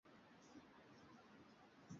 katika kipindi cha mwaka mmoja uliopita